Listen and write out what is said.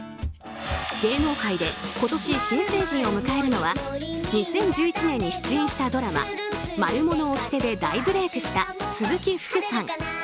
芸能界で今年新成人を迎えるのは２０１１年に出演したドラマ「マルモのおきて」で大ブレークした鈴木福さん。